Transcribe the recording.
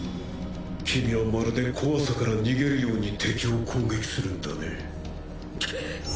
君はまるで怖さから逃げるように敵を攻撃するんだね。